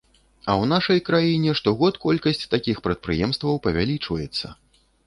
А ў нашай краіне штогод колькасць такіх прадпрыемстваў павялічваецца.